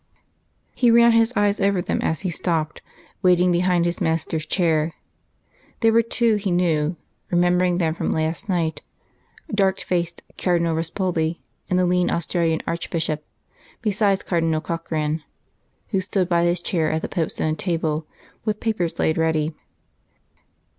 He ran his eyes over them as he stopped, waiting behind his master's chair there were two he knew, remembering them from last night dark faced Cardinal Ruspoli, and the lean Australian Archbishop, besides Cardinal Corkran, who stood by his chair at the Pope's own table, with papers laid ready.